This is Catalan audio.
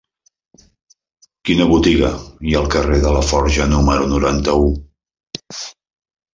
Quina botiga hi ha al carrer de Laforja número noranta-u?